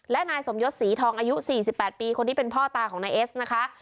และนายสมยศศรีทองอายุ๔๘ปีคนที่เป็นพ่อตาของนายเอสนะคะ